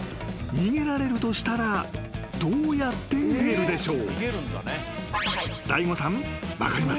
逃げられるとしたらどうやって逃げるでしょう？